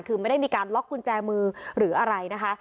คือไม่ได้มีการล็อกกุญแจมือหรืออะไรนะคะ